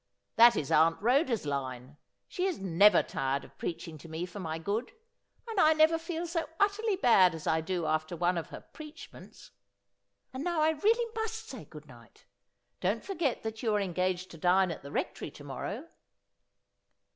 That is Aunt Ehoda's line. She is never tired of preaching to me for my good, and I never feel so utterly bad as I do after one of her preachments. And now I really must say good night. Don't forget that you are engaged to dine at the Rectory to morrow.'